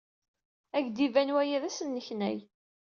Ad ak-d-iban waya d asneknay.